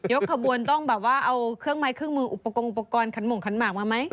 ขบวนต้องแบบว่าเอาเครื่องไม้เครื่องมืออุปกรณ์ขันหม่งขันหมากมาไหม